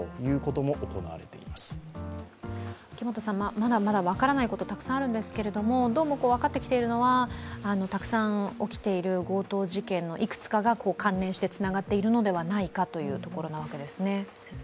まだまだ分からないことたくさんあるんですけれども、どうも分かってきているのは、たくさん起きている強盗事件のいくつかが関連してつながっているのではないかというところなんですね。